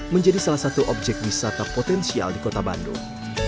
menjadi salah satu objek wisata potensial di kota bandung